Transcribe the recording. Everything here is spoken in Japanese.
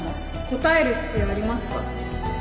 答える必要ありますか？